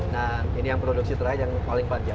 nah ini yang produksi terakhir yang paling panjang